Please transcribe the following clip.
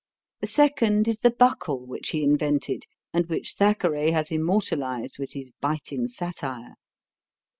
The second is the buckle which he invented and which Thackeray has immortalized with his biting satire.